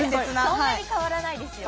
そんなに変わらないですよ。